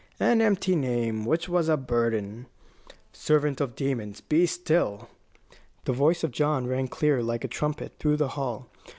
An empty name, which was a burden " "Servant of demons, be still!" The voice of John rang clear, like a trumpet, through the hall.